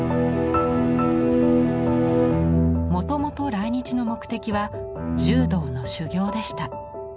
もともと来日の目的は柔道の修行でした。